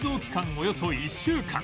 およそ１週間